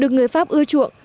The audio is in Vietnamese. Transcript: được người pháp ưa chuộng